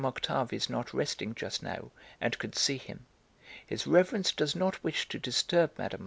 Octave is not resting just now, and could see him. His reverence does not wish to disturb Mme.